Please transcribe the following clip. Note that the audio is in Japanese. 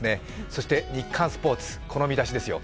そして「日刊スポーツ」、この見出しですよ。